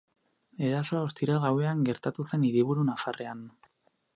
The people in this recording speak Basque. Erasoa ostiral gauean gertatu zen hiriburu nafarrean.